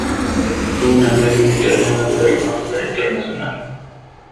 Fue una medium italiana de renombre internacional.